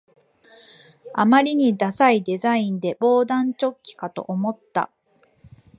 あまりにダサいデザインで防弾チョッキかと思った